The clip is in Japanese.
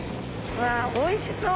わおいしそう。